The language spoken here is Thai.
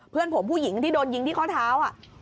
เพื่อนผมผู้หญิงที่โดนยิงที่ข้อเท้า